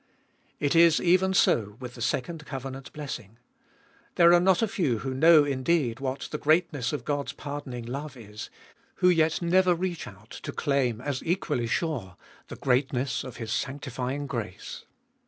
It is even so with the second covenant blessing. There are not a few who know indeed what the greatness of God's pardon ing love is, who yet never reach out to claim, as equally sure, the greatness of His sanctifying grace.